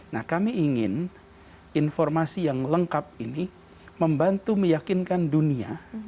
nah kami ingin informasi yang lengkap ini membantu meyakinkan dunia